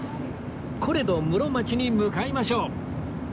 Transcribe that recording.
コレド室町に向かいましょう